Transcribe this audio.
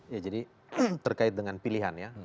ya jadi terkait dengan pilihan ya